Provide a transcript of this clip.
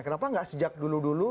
kenapa nggak sejak dulu dulu